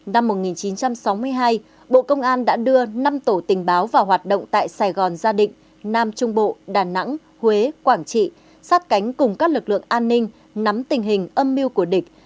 năm một nghìn chín trăm sáu mươi hai bộ công an đã đưa năm tổ tình báo vào hoạt động tại sài gòn gia định nam trung bộ đà nẵng huế quảng trị sát cánh cùng các lực lượng an ninh nắm tình hình âm mưu của địch